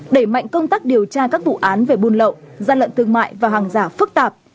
đẩy mạnh công tác điều tra các vụ án về buôn lậu gian lận thương mại và hàng giả phức tạp